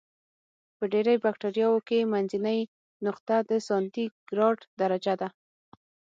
په ډېری بکټریاوو کې منځنۍ نقطه د سانتي ګراد درجه ده.